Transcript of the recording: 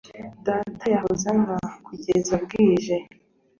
Data yahoze anywa kugeza bwije.